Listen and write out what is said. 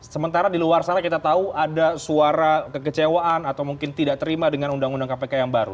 sementara di luar sana kita tahu ada suara kekecewaan atau mungkin tidak terima dengan undang undang kpk yang baru